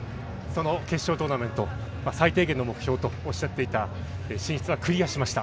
決勝トーナメント、最低限の目標と言っていた進出はクリアしました。